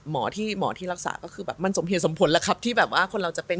หมอที่รักษาก็คือมันสมเหตุสมผลแหละครับที่คนเราจะเป็น